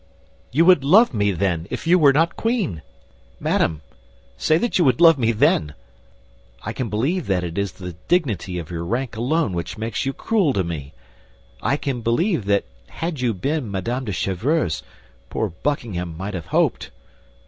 "You would love me, then, if you were not queen! Madame, say that you would love me then! I can believe that it is the dignity of your rank alone which makes you cruel to me; I can believe that, had you been Madame de Chevreuse, poor Buckingham might have hoped.